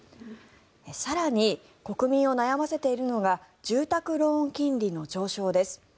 更に、国民を悩ませているのが住宅ローン金利の上昇です。